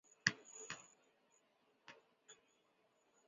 甘蓝金花虫为金花虫科条背金花虫属下的一个种。